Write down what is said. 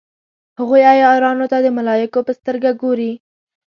هغوی عیارانو ته د ملایکو په سترګه ګوري.